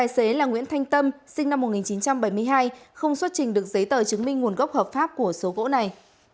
nhà nguyễn thanh tâm sinh năm một nghìn chín trăm bảy mươi hai không xuất trình được giấy tờ chứng minh nguồn gốc hợp pháp của số gỗ này